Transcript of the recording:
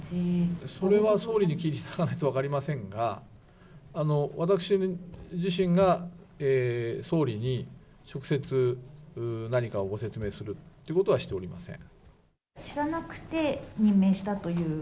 それは総理に聞いてみないと分かりませんが、私自身が総理に直接何かをご説明するということはしておりません。